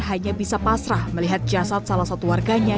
hanya bisa pasrah melihat jasad salah satu warganya